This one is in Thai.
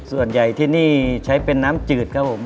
ส่วนใหญ่ที่นี่ใช้เป็นน้ำจืดครับผม